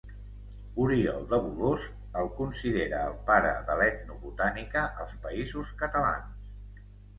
Oriol de Bolòs el considera el pare de l'etnobotànica als Països Catalans.